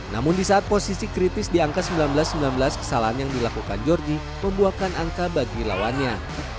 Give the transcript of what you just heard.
namun di saat posisi kritis di angka sembilan belas sembilan belas kesalahan yang dilakukan georgie membuahkan angka bagi lawannya